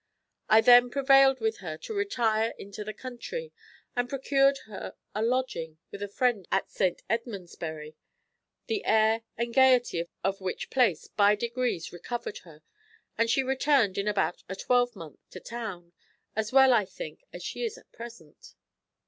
I then prevailed with her to retire into the country, and procured her a lodging with a friend at St Edmundsbury, the air and gaiety of which place by degrees recovered her; and she returned in about a twelve month to town, as well, I think, as she is at present."